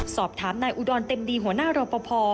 สอบถามนายอุดรเต็มดีหัวหน้ารอปภ